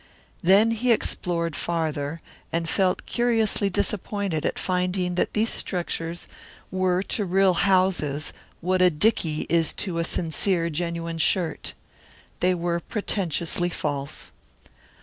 Then he explored farther and felt curiously disappointed at finding that these structures were to real houses what a dicky is to a sincere, genuine shirt. They were pretentiously false.